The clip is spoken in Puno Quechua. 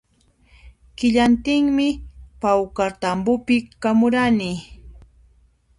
Killantinmi pawkartambopi kamurani